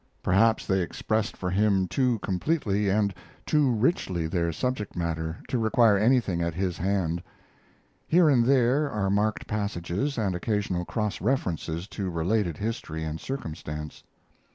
Perhaps they expressed for him too completely and too richly their subject matter to require anything at his hand. Here and there are marked passages and occasional cross references to related history and circumstance.